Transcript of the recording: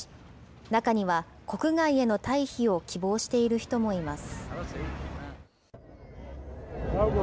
中には国外への退避を希望している人もいます。